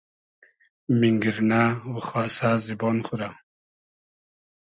مینگیرنۂ و خاسۂ زیبۉن خو رۂ